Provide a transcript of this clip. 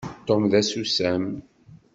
Tom d asusam.